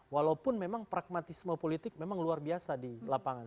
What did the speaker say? walaupun memang pragmatisme politik memang luar biasa di lapangan